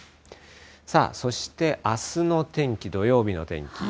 さあ、そしてあすの天気、土曜日の天気。